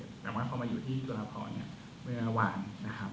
แต่ว่าพอมาอยู่ที่ตุลพอเนี่ยเมื่อหวานนะครับ